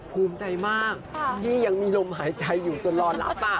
ภูมิใจมากที่ยังมีลมหายใจอยู่จนรอรับ